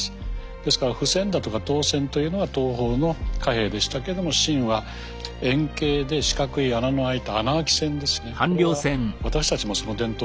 ですから布銭だとか刀銭というのは東方の貨幣でしたけども秦は円形で四角い穴のあいた穴あき銭ですね。